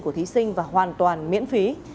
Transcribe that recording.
của thí sinh và hoàn toàn miễn phí